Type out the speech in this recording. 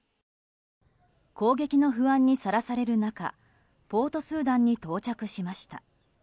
攻撃の不安にさらされる中ポートスーダンに到着しました。